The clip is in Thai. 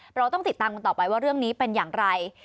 เราต้องติดตามกันต่อไปว่าเรื่องนี้เป็นอย่างไร